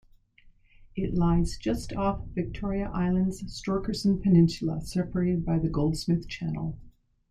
It lies just off Victoria Island's Storkerson Peninsula, separated by the Goldsmith Channel.